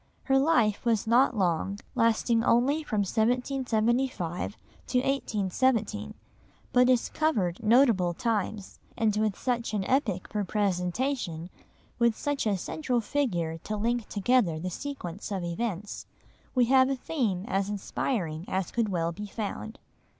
Her life was not long, lasting only from 1775 to 1817, but it covered notable times, and with such an epoch for presentation, with such a central figure to link together the sequence of events, we have a theme as inspiring as could well be found.